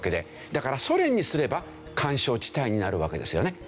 だからソ連にすれば緩衝地帯になるわけですよね。